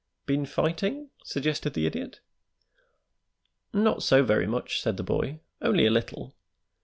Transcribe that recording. "Been fighting?" suggested the Idiot. "Not so very much," said the boy; "only a little."